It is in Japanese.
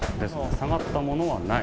下がったものはない。